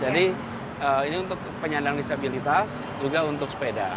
ini untuk penyandang disabilitas juga untuk sepeda